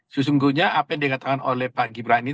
sesungguhnya apa yang dikatakan oleh pak gibran ini